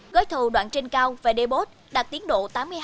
gói thầu đoạn trên cao vdbot đạt tiến độ tám mươi hai bảy